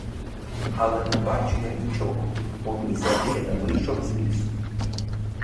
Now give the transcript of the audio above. Але не бачу я нічого, бо місяць ще не вийшов з лісу.